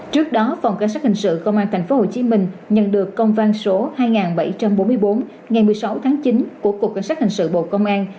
trước đó phòng cảnh sát hình sự công an thành phố hồ chí minh nhận được công văn số hai nghìn bảy trăm bốn mươi bốn ngày một mươi sáu tháng chín của cục cảnh sát hình sự bộ công an